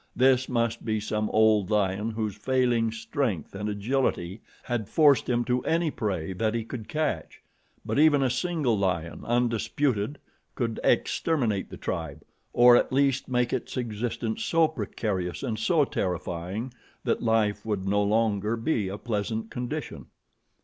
This must be some old lion whose failing strength and agility had forced him to any prey that he could catch; but even a single lion, undisputed, could exterminate the tribe, or at least make its existence so precarious and so terrifying that life would no longer be a pleasant condition.